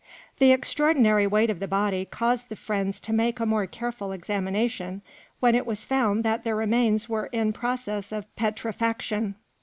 The extraordinary weight of the body caused the friends to make a more careful examination, when it was found that the remains were in process of petrifaction.